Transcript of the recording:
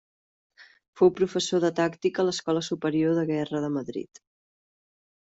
Fou professor de tàctica a l'Escola Superior de Guerra de Madrid.